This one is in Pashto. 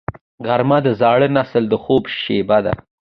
غرمه د زاړه نسل د خوب شیبه ده